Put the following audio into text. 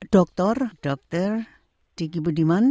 doktor dokter diki budiman